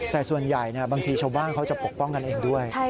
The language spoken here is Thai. แต่ส่วนใหญ่บางทีชาวบ้านเขาจะปกป้องกันเองด้วย